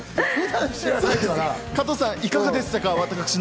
加藤さん、いかがでしたか？